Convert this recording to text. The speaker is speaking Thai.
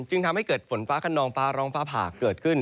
จึงทำให้เกิดฝนฟ้าขนองฟ้าร้องฟ้าผ่าเกิดขึ้น